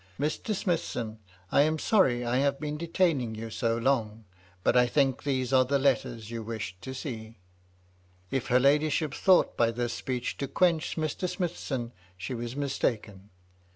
" Mr. Smithson, I am sorry I have been detaining you so long, but I think these are the letters you wished to see/' If her ladyship thought ',by this speech to quench Mr. Smithson she was mistaken.